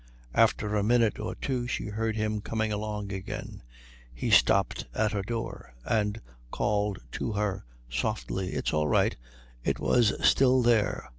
After a minute or two she heard him coming along again. He stopped at her door and called to her softly: "It's all right. It was still there.